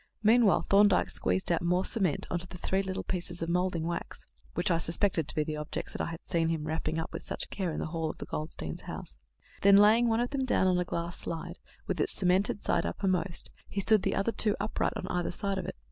Meanwhile Thorndyke squeezed out more cement on to the three little pieces of moulding wax (which I suspected to be the objects that I had seen him wrapping up with such care in the hall of the Goldsteins' house); then, laying one of them down on a glass slide, with its cemented side uppermost, he stood the other two upright on either side of it.